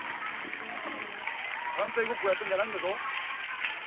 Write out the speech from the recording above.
探偵ごっこをやってるんじゃないんだぞ？